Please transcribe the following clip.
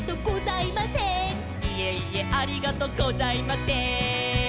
「いえいえありがとうございませーん」